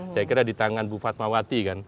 saya kira di tangan bufat mawati kan